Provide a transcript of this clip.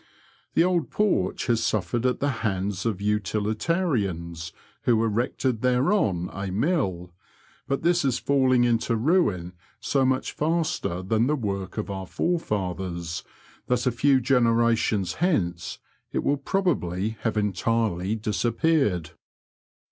The old porch has suffered at the hands of utilitarians who erected thereon a mill ; but this is falling into ruin so much faster than the work of our forefathers, that a few generations hence it will probably have entirely disappeared.